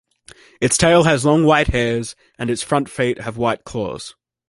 Its tail has long white hairs, and its front feet have white claws.